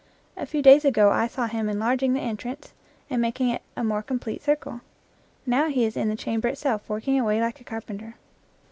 A few days ago I saw him enlarging the entrance and making it a more complete circle. Now he is in the chamber itself working away like a carpenter.